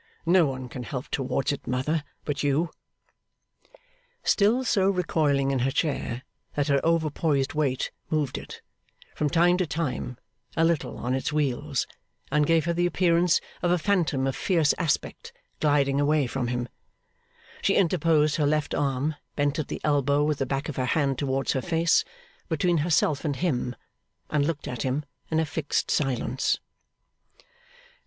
No one can help towards it, mother, but you.' Still so recoiling in her chair that her overpoised weight moved it, from time to time, a little on its wheels, and gave her the appearance of a phantom of fierce aspect gliding away from him, she interposed her left arm, bent at the elbow with the back of her hand towards her face, between herself and him, and looked at him in a fixed silence.